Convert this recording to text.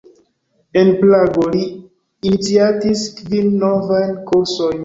En Prago li iniciatis kvin novajn kursojn.